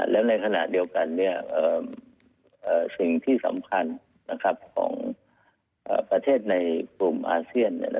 แล้วในขณะเดียวกันสิ่งที่สำคัญของประเทศในกลุ่มอาเซียน